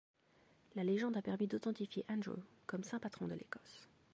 La légende a permis d'authentifier Andrew comme saint patron de l'Écosse.